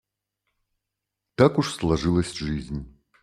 Так уж сложилась жизнь.